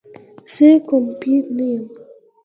زه کوم پیر نه یم.